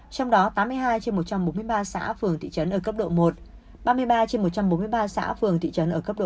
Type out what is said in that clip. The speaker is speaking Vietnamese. trong đó tám mươi hai trên một trăm bốn mươi ba xã phường thị trấn ở cấp độ một ba mươi ba trên một trăm bốn mươi ba xã phường thị trấn ở cấp độ hai